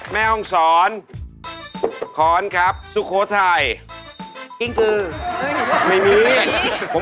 สุโคไทยครับสุโคไทยครับสุโคไทยครับ